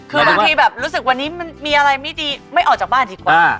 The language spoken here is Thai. คือบางทีแบบรู้สึกวันนี้มันมีอะไรไม่ดีไม่ออกจากบ้านดีกว่า